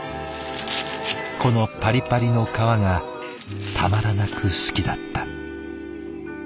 このパリパリの皮がたまらなく好きだった。